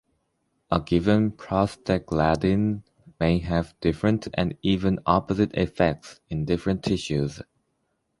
A given prostaglandin may have different and even opposite effects in different tissues.